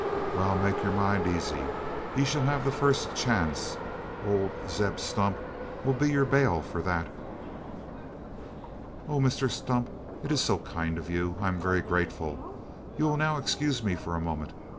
Wal, make yur mind eezy; ye shell hev the fast chance. Ole Zeb Stump 'll be yur bail for thet." "Oh, Mr Stump, it is so kind of you! I am very, very grateful. You will now excuse me for a moment.